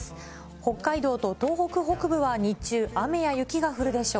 北海道と東北北部は日中、雨や雪が降るでしょう。